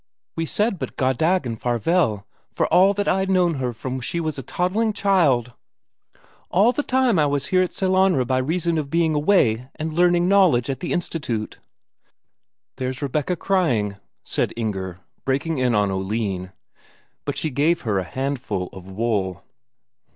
We said but Goddag and Farvel, for all that I'd known her from she was a toddling child all that time I was here at Sellanraa by reason of you being away and learning knowledge at the Institute...." "There's Rebecca crying," said Inger, breaking in on Oline. But she gave her a handful of wool.